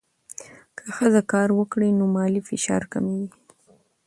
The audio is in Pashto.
که ښځه کار وکړي، نو مالي فشار کمېږي.